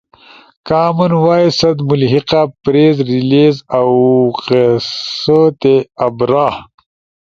کامن وائس ست ملحقہ پریس ریلیس اؤ قصؤ تے آبرا